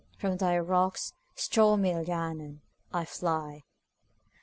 From thy rocks, stormy Llannon, I fly.